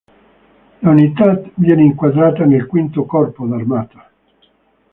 L'unità viene inquadrata nel V Corpo d'armata.